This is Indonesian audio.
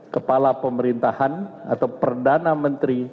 kepala pemerintahan atau perdana menteri